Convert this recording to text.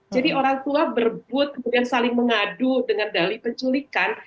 orang tua berebut kemudian saling mengadu dengan dali penculikan